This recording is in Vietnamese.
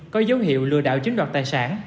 có dấu hiệu lừa đảo chiếm đoạt tài sản